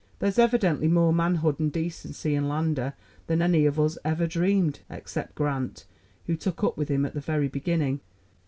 There's evidently more manhood and decency in Lander than any of us ever dreamed except Grant, who took up with him at the very beginning."